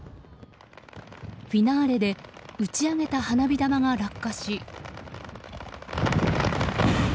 フィナーレで打ち上げた花火玉が落下し。